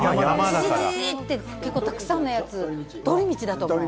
ジジジって結構たくさんのやつ、通り道だと思う。